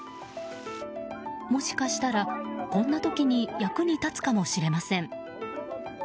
もしかしたら、こんな時に役に立つかもしれません。